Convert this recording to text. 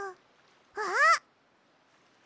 あっ！